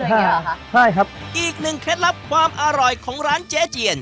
ใช่ค่ะใช่ครับอีกหนึ่งเคล็ดลับความอร่อยของร้านเจ๊เจียน